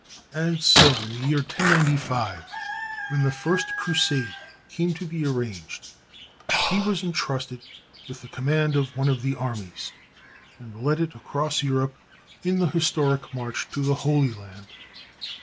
And so, in the year 1095, when the first Crusade came to be arranged, he was entrusted with the command of one of the armies and led it across Europe in the historic march to the Holy Land.